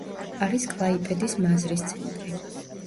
არის კლაიპედის მაზრის ცენტრი.